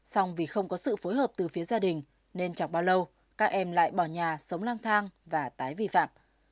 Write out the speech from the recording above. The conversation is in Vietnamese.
xong vì không có sự phối hợp từ phía gia đình nên chẳng bao lâu các em lại bỏ nhà sống lang thang và tái vi phạm